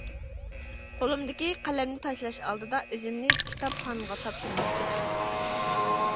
قولۇمدىكى قەلەمنى تاشلاش ئالدىدا ئۆزۈمنى كىتابخانغا تاپشۇرماقچىمەن.